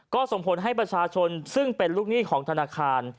ก็ส่งผลให้ประชาชนซึ่งเป็นลูกหนี้ของธนาคาร